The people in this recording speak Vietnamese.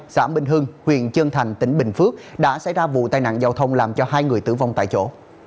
xã bình hưng huyện trân thành tỉnh bình phước đã xảy ra vụ tai nạn giao thông làm cho hai người tử vong tại chỗ